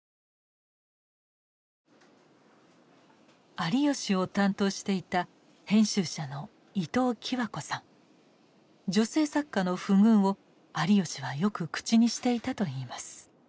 有吉を担当していた編集者の女性作家の不遇を有吉はよく口にしていたといいます。